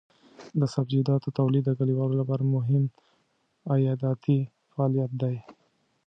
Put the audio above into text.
د سبزیجاتو تولید د کليوالو لپاره مهم عایداتي فعالیت دی.